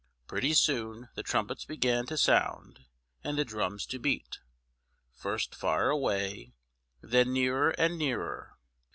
Pretty soon the trumpets began to sound and the drums to beat, first far away, then nearer and nearer.